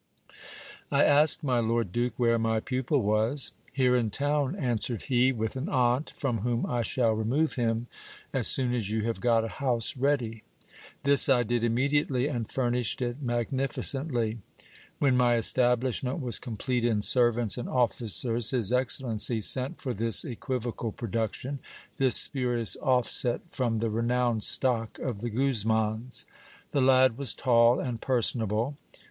I asked my lord duke where my pupil was. Here in town, answered he, with an aunt from whom I shall remove him as soon as you have got a house ready. This I did immediately, and furnished it magnificently. When my establishment was complete in servants and officers, his excellency sent for this . equivocal production, this spurious offset from the renowned stock of the Guz mans. The lad was tall and personable.